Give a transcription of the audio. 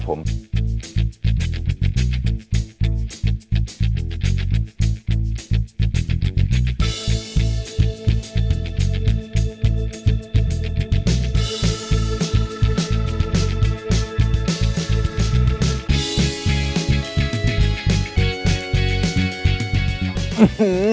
ด้วยน้ำเถอะ